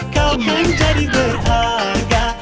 kau kau yang jadi berharga